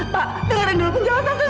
pak dengarin dulu penjelasan saya sebentar